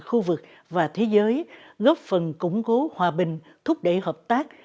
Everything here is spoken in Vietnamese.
khu vực và thế giới góp phần củng cố hòa bình thúc đẩy hợp tác